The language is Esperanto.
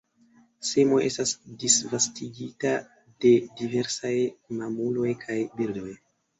Semoj estas disvastigita de diversaj mamuloj kaj birdoj.